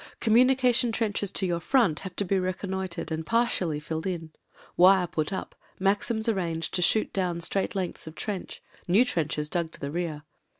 Com munication trenches to your front have to be recon noitred and partially filled in; wire put up; Maxims arranged to shoot down straight lengths of trench ; new trenches dug to the rear.